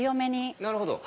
なるほど。